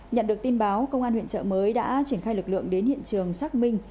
nhận được tin báo công an huyện trợ mới đã triển khai lực lượng đến hiện trường xác minh